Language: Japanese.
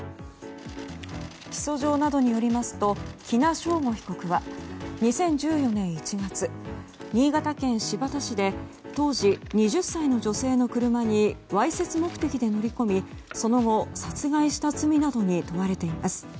起訴状などによりますと喜納尚吾被告は２０１４年１月新潟県新発田市で当時２０歳の女性の車にわいせつ目的で乗り込みその後、殺害した罪などに問われています。